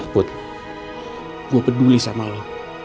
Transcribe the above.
put gue peduli sama lo